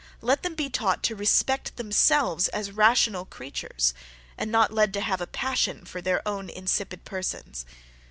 Let them be taught to respect themselves as rational creatures, and not led to have a passion for their own insipid persons.